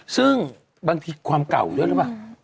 ซึ่งบางทีความเก่าด้วยหรือเปล่า